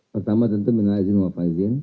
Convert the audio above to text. pertama tentu minal izin wafat izin